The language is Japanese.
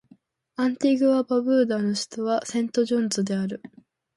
アンティグア・バーブーダの首都はセントジョンズである